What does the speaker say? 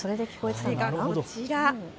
それがこちら。